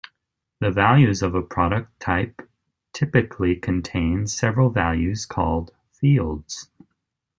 The values of a product type typically contain several values, called "fields".